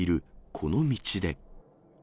この道で。